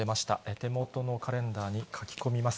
手元のカレンダーに書き込みます。